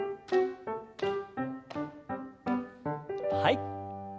はい。